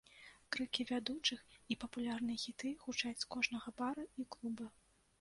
Крыкі вядучых і папулярныя хіты гучаць з кожнага бара і клуба.